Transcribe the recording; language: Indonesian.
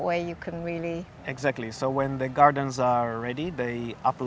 merasakan berikut video disorry takes